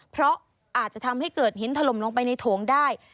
เพราะอาจจะทำให้เกิดหินถล่มลงไปในโถงได้